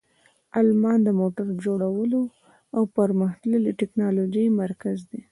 آلمان د موټر جوړولو او پرمختللې تکنالوژۍ مرکز دی.